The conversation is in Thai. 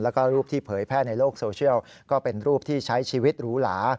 แล้วก็รูปที่เผยแพร่ในโลกโซเชียลก็เป็นรูปที่ใช้ชีวิตหรูหลา